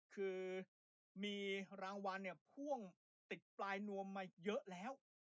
คือมีรางวัลเนี่ยพ่วงติดปลายนวมมาเยอะแล้ว